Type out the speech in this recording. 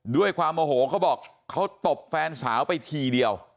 ด้วยความโอโหเขาบอกเขาตบแฟนสาวไปทีเดียว